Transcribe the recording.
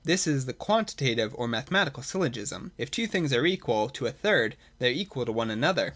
This is the Quantitative or Mathematical Syllogism : if two things are equal to a third, they are equal to one another.